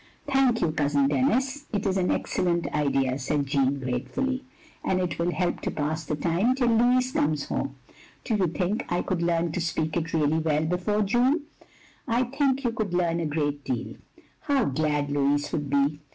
" "Thank you, Cousin Denis. It is an excellent idea," said Jeanne, gratefully, "and it will help to pass the time till Louis comes home. Do you think I could leam to speak it really well before June?" I think you could leam a great deal. "" How glad Louis would be.